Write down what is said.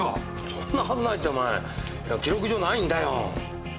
そんなはずないってお前記録上ないんだよ！